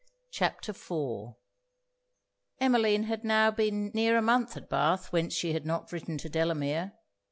CHAPTER IV Emmeline had now been near a month at Bath, whence she had not written to Delamere.